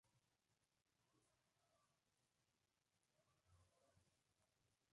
La descolonización necesita ser violenta, pues la situación colonial se funda en la violencia.